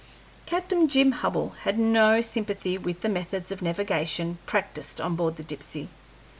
Captain Jim Hubbell had no sympathy with the methods of navigation practised on board the Dipsey.